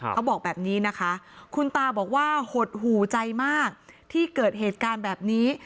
เขาบอกแบบนี้นะคะคุณตาบอกว่าหดหูใจมากที่เกิดเหตุการณ์แบบนี้